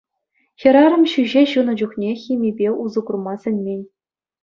Хӗрарӑм ҫӳҫе ҫунӑ чухне химипе усӑ курма сӗнмен.